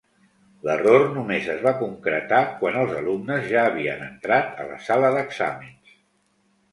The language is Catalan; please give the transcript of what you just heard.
L'error només es va concretar quan els alumnes ja havien entrat a la sala d'exàmens.